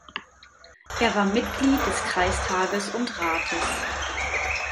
Er war Mitglied des Kreistages und -rates.